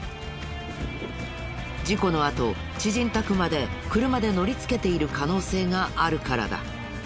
事故のあと知人宅まで車で乗りつけている可能性があるからだ。